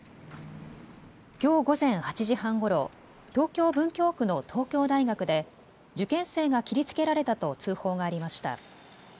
きょう午前８時半ごろ、東京文京区の東京大学で受験生が切りつけられたと通報がありました。